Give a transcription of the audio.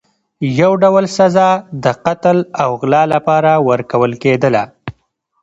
یو ډول سزا د قتل او غلا لپاره ورکول کېدله.